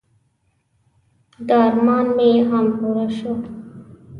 د ارمان مې هم پوره شو.